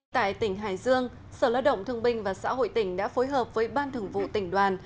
tại tỉnh hải dương sở lợi động thương binh và xã hội tỉnh đã phối hợp với ban thường vụ tỉnh đoàn